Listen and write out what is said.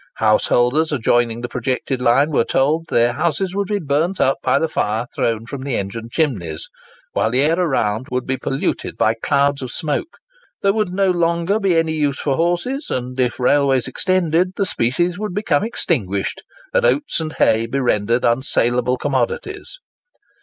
Householders adjoining the projected line were told that their houses would be burnt up by the fire thrown from the engine chimneys; while the air around would be polluted by clouds of smoke. There would no longer be any use for horses; and if railways extended, the species would become extinguished, and oats and hay be rendered unsaleable commodities.